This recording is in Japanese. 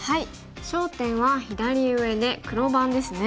焦点は左上で黒番ですね。